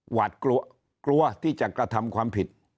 กลัวกลัวที่จะกระทำความผิด